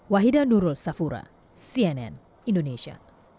wahidan nurul safura cnn indonesia